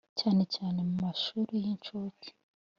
cyane cyane mu mashuri y’incuke.